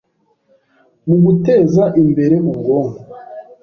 mu guteza imbere ubwonko